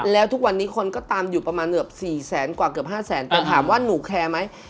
แล้วทุกวันนี้คนก็ตามอยู่ประมาณเกือบ๔แสนกว่าเกือบ๕แสนแต่ถามว่าหนูแคร์ไหม